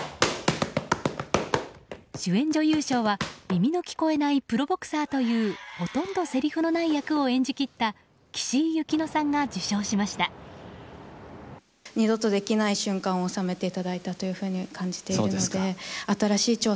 主演女優賞は、耳の聞こえないプロボクサーというほとんどセリフのない役を演じ切った岸井ゆきのさんが受賞しました。